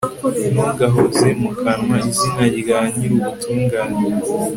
ntugahoze mu kanwa izina rya nyir'ubutungane